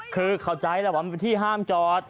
คือเข้าใจแล้วว่ามันเป็นที่ห้ามจอด